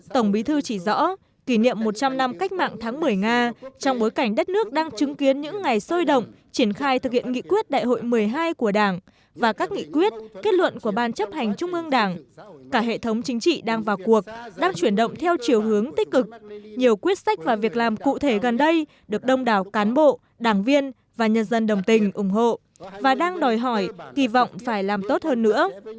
tổng bí thư chỉ rõ kỷ niệm một trăm linh năm cách mạng tháng một mươi nga trong bối cảnh đất nước đang chứng kiến những ngày sôi động triển khai thực hiện nghị quyết đại hội một mươi hai của đảng và các nghị quyết kết luận của ban chấp hành trung ương đảng cả hệ thống chính trị đang vào cuộc đang chuyển động theo chiều hướng tích cực nhiều quyết sách và việc làm cụ thể gần đây được đông đảo cán bộ đảng viên và nhân dân đồng tình ủng hộ và đang đòi hỏi kỳ vọng phải làm tốt hơn nữa